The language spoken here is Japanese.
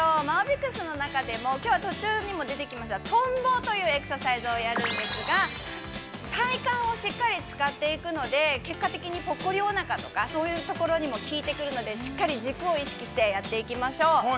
マオビスクの中でも、きょうは途中にも出てきましたトンボというエクササイズをやるんですが体幹をしっかり使っていくので、結果的にポッコリおなかとかそういうところにも効いてくるので、しっかり軸を意識してやっていきましょう。